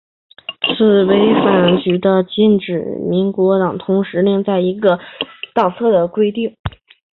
此举违反了新民主党党章中禁止党员同时在另一个联邦政党中持有党籍的规定。